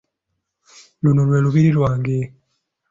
Luno lwe Lubiri lwange.